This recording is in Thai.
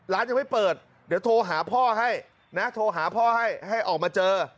ร้านยังไม่เปิดเดี๋ยวโทรหาพ่อให้นะโทรหาพ่อให้ให้ออกมาเจอ